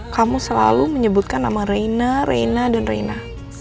kamu selalu menyebutkan nama reina reina dan reina